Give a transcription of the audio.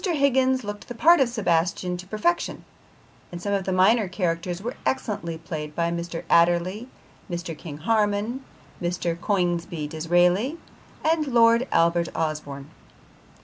Higgins looked the part of Sebastian to perfection, and some of the minor characters were excellently played by Mr. Adderley, Mr. King Harman, Mr. Coningsby Disraeli and Lord Albert Osborne.